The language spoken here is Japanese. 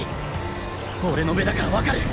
俺の目だからわかる！